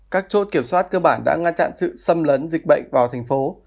các chốt kiểm soát cơ bản đã ngăn chặn sự xâm lấn dịch bệnh vào thành phố